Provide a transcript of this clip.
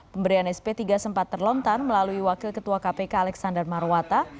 pemberian sp tiga sempat terlontar melalui wakil ketua kpk alexander marwata